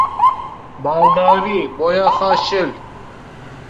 Baldarî! Boyaxa şil.